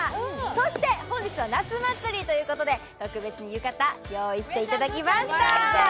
そして、本日は夏祭りということで特別に浴衣、用意していただきました。